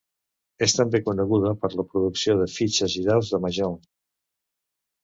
És també coneguda per la producció de fitxes i daus de mahjong.